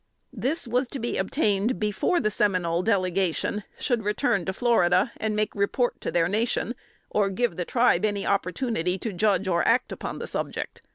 This was to be obtained before the Seminole delegation should return to Florida, or make report to their nation, or give the Tribe an opportunity to judge or act upon the subject.